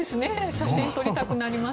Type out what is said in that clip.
写真、撮りたくなります。